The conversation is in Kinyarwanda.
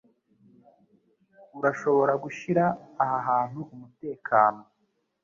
Urashobora gushira aha hantu umutekano.